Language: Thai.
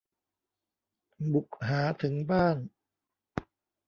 บุกหาถึงบ้าน